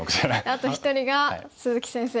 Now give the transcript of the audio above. あと１人が鈴木先生。